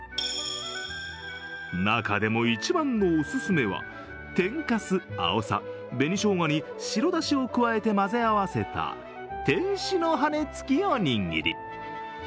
中でも一番のオススメは天かす、アオサ、紅ショウガに白だしを加えて混ぜ合わせた天使の羽根つきおにぎり。